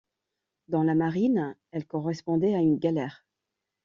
Dans la marine, elle correspondait à une galère.